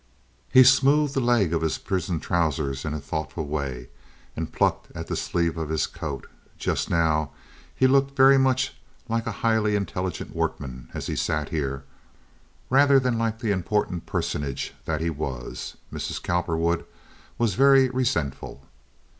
He smoothed the leg of his prison trousers in a thoughtful way, and plucked at the sleeve of his coat. Just now he looked very much like a highly intelligent workman as he sat here, rather than like the important personage that he was. Mrs. Cowperwood was very resentful.